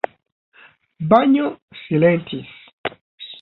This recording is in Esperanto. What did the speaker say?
Banjo silentis.